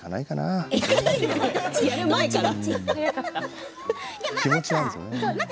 やる前から。